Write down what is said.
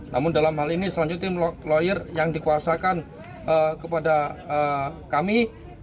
namun dalam hal ini selanjutnya tim lawyer yang dikuasakan kepada kami